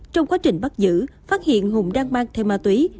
trong quá trình bắt giữ phát hiện hùng đang mang theo ma túy